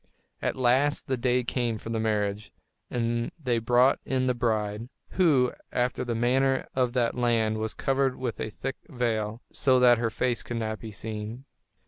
At last the day came for the marriage; and they brought in the bride, who, after the manner of that land, was covered with a thick veil, so that her face could not be seen.